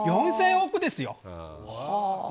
４０００億ですよ。